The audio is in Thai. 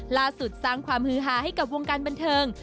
ล่าสุดสร้างความฮือฮาให้กับวงการบันเทิง